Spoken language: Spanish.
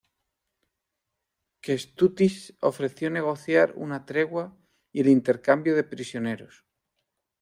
Kęstutis ofreció negociar una tregua y el intercambio de prisioneros.